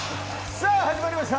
さあ、始まりました。